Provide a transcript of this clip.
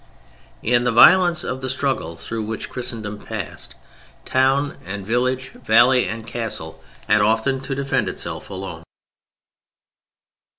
In the violence of the struggle through which Christendom passed, town and village, valley and castle, had often to defend itself alone.